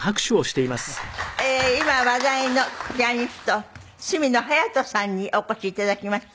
今話題のピアニスト角野隼斗さんにお越し頂きました。